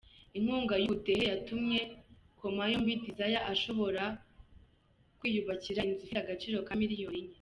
Inkunga y’ubudehe yatumye Komayombi Desire ashobora kwuyubakira inzu ifite agaciro ka miliyoni enye.